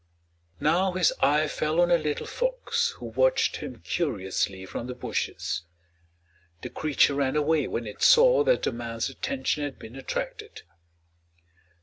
Now his eye fell on a little fox who watched him curiously from the bushes. The creature ran away when it saw that the man's attention had been attracted.